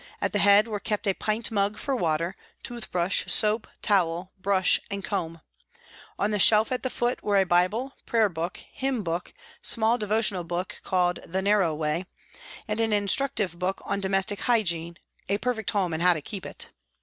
At the head were kept a pint mug for water, tooth brush, soap, towel, brush and comb. On the shelf at the foot were a Bible, prayer book, hymn book, small devotional book, called " The Narrow Way," HOLLOWAY PRISON 87 and an instructive book on domestic hygiene, " A Perfect Home and How To Keep It."